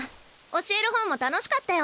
教える方も楽しかったよ。